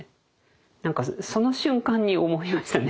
何かその瞬間に思いましたね。